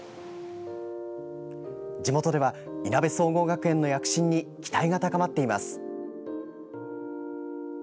地元では、いなべ総合学園の躍進に期待が高まっています。